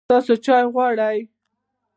تاسو چای غواړئ؟